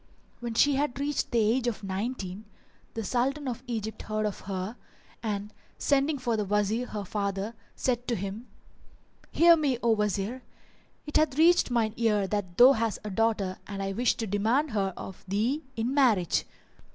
When she had reached the age of nineteen, [FN#400] the Sultan of Egypt heard of her and, sending for the Wazir her father, said to him, 'Hear me, O Wazir: it hath reached mine ear that thou hast a daughter and I wish to demand her of thee in marriage."